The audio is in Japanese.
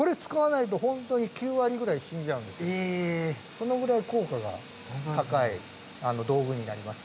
そのぐらい効果が高い道具になりますね。